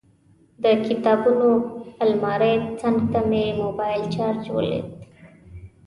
د کتابونو المارۍ څنګ ته مې موبایل چارجر ولید.